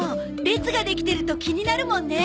列ができてると気になるもんね。